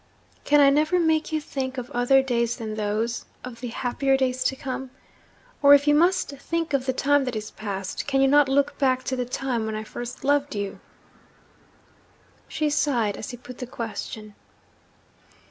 'Can I never make you think of other days than those of the happier days to come? Or, if you must think of the time that is passed, can you not look back to the time when I first loved you?' She sighed as he put the question.